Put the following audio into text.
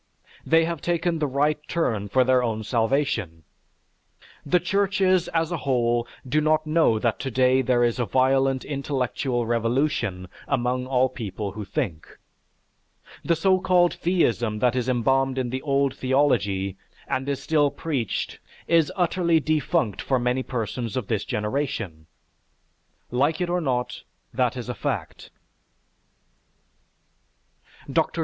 They have taken the right turn for their own salvation. The churches as a whole do not know that today there is a violent intellectual revolution among all people who think. The so called theism that is embalmed in the old theology and is still preached is utterly defunct for many persons of this generation. Like it or not, that is a fact. DR.